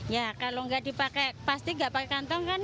ya kalau nggak dipakai pasti nggak pakai kantong kan